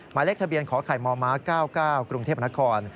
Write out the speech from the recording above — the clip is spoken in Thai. หมายเลขทะเบียนขอไข่มม๙๙กรุงเทพนคร